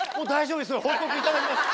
報告いただきました。